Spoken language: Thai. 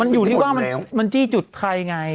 มันอยู่ที่ว่ามันจี้จุดใครไง